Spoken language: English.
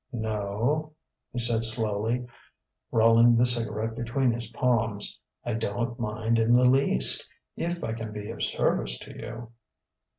"No," he said slowly, rolling the cigarette between his palms, "I don't mind in the least, if I can be of service to you."